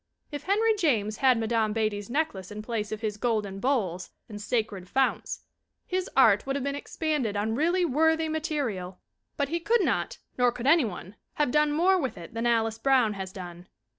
If Henry James had had Madame Beattie's necklace in place of his golden bowls and sacred founts his art would have been ex pended on really worthy material, but he could not, nor could any one, have done more with it than Alice Brown has done.